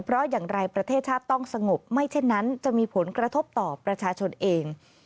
เพราะอย่างไรประเทศชาติต้องสงบไม่เช่นนั้นจะมีผลกระทบต่อประชาชนเอง